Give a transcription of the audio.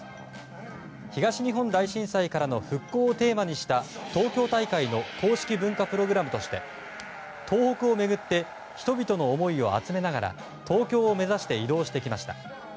東日本大震災からの復興をテーマにした東京大会の公式文化プログラムとして東北を巡って人々の思いを集めながら東京を目指して移動してきました。